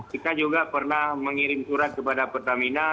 kita juga pernah mengirim surat kepada pertamina